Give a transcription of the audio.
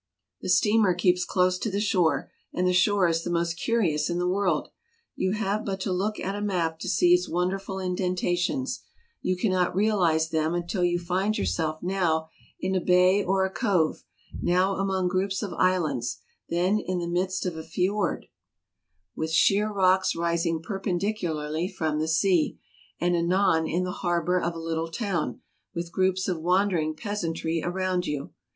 The steamer keeps close to the shore, and the shore is the most curious in the world ; you have but to look at a map to see its wonderful indentations ; you cannot realize them until you find yourself now in a bay or a cove, now among groups of islands, then in the midst of a fjord, with 224 TRAVELERS AND EXPLORERS sheer rocks rising perpendicularly from the sea, and anon in the harbor of a little town, with groups of wondering peasantry around you.